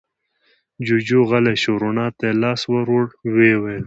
جوجُو غلی شو، رڼا ته يې لاس ور ووړ، ويې ويل: